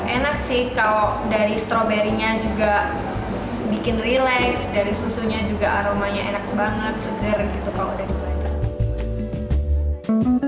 enak sih kalau dari stroberinya juga bikin relax dari susunya juga aromanya enak banget segar gitu kalau udah di blender